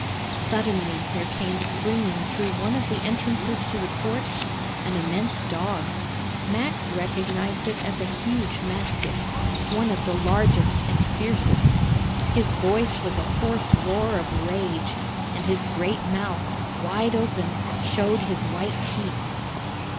Suddenly, there came springing through one of the entrances to the court an immense dog. Max recognized it as a huge mastiff, one of the largest and fiercest. His voice was a hoarse roar of rage, and his great mouth, wide open, showed his white teeth.